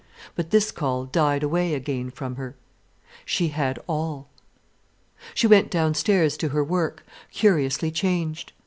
But this call died away again from her. She had all. She went downstairs to her work, curiously changed.